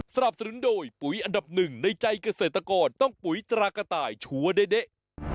สนับสนุนโดยปุ๋ยอันดับหนึ่งในใจเกษตรกรต้องปุ๋ยตรากระต่ายชัวร์เด๊ะ